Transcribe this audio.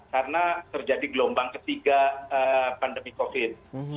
karena terjadi gelombang ketiga pandemi covid